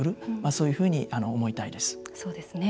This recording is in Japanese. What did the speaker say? そういうふうに思いたいです。